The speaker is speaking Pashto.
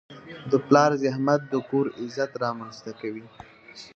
د پلار زحمت د کور عزت رامنځته کوي.